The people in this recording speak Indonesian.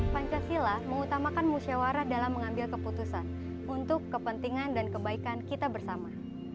pancasila mengutamakan musyawarah dalam mengambil keputusan untuk kepentingan dan kebaikan kita bersama